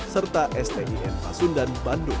serta stdn pasundan bandung